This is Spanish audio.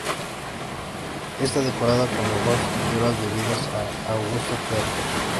Está decorada con lujosas pinturas debidas a Augusto Ferri.